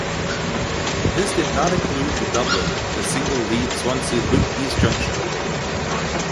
This did not include the doubling the Single Lead Swansea Loop East junction.